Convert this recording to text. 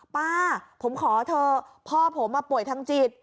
ป้าผมขอเธอพ่อผมอะป่วยทั้งจิต